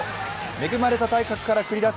恵まれた体格から繰り出す